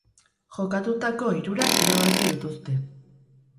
Jokatutako hirurak irabazi dituzte.